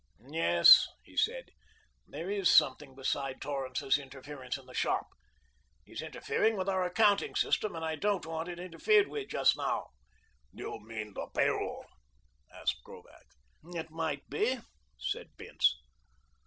"Yes," he said, "there is something beside Torrance's interference in the shop. He's interfering with our accounting system and I don't want it interfered with just now." "You mean the pay roll?" asked Krovac. "It might be," said Bince.